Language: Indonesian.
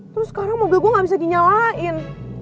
terus sekarang mobil gue gak bisa dinyalain